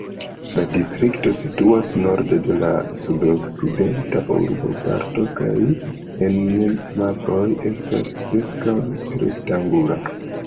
La distrikto situas norde de la sud-okcidenta urboparto kaj en mapoj estas preskaŭ rektangula.